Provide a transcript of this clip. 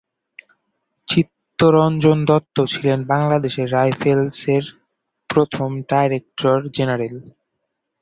চিত্ত রঞ্জন দত্ত ছিলেন বাংলাদেশ রাইফেলসের প্রথম ডাইরেক্টর জেনারেল।